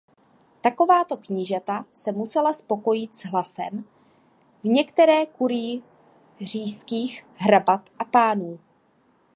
Takováto knížata se musela spokojit s hlasem v některé kurii říšských hrabat a pánů.